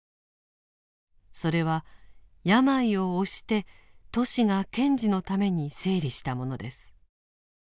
それは病を押してトシが賢治のために整理したものです。